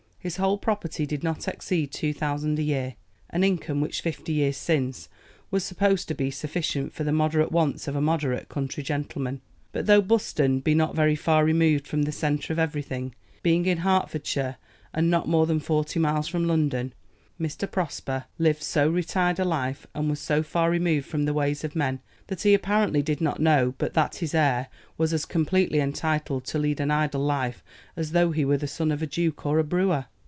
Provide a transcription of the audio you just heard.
His whole property did not exceed two thousand a year, an income which fifty years since was supposed to be sufficient for the moderate wants of a moderate country gentleman; but though Buston be not very far removed from the centre of everything, being in Hertfordshire and not more than forty miles from London, Mr. Prosper lived so retired a life, and was so far removed from the ways of men, that he apparently did not know but that his heir was as completely entitled to lead an idle life as though he were the son of a duke or a brewer.